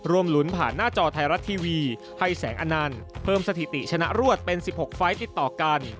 หลุ้นผ่านหน้าจอไทยรัฐทีวีให้แสงอนันต์เพิ่มสถิติชนะรวดเป็น๑๖ไฟล์ติดต่อกัน